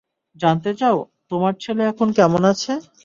জানতে চাও তোমার ছেলে এখন কেমন আছে?